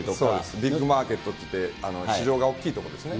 ビッグマーケットっていって、市場が大きいところですね。